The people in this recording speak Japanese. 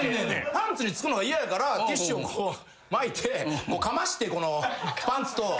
パンツにつくのが嫌やからティッシュをこう巻いてかましてこのパンツと。